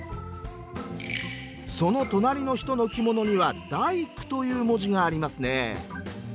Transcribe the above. その隣の人の着物には「大工」という文字がありますね。